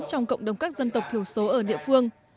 trong cộng đồng các dân tộc thiểu số ở địa phương